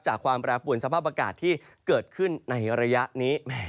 ความแปรปวนสภาพอากาศที่เกิดขึ้นในระยะนี้